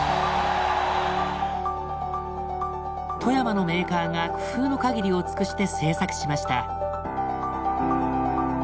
富山のメーカーが工夫の限りを尽くして制作しました。